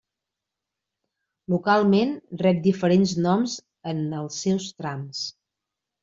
Localment rep diferents noms en els seus trams.